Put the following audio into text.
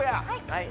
はい。